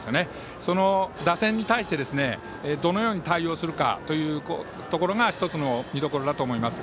その打線に対してどのように対応するかというところが１つの見どころだと思います。